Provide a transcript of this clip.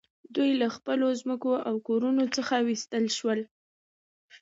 دوی له خپلو ځمکو او کورونو څخه وویستل شول